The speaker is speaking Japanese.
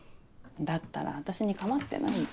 だったら私に構ってないで。